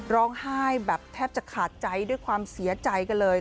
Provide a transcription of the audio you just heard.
ร้องไห้แบบแทบจะขาดใจด้วยความเสียใจกันเลย